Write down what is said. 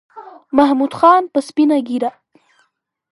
محمود خان په سپینه ګیره